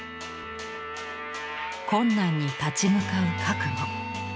困難に立ち向かう覚悟。